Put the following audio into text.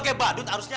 nah nah nah nah